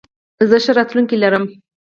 زه ښه راتلونکې لرم.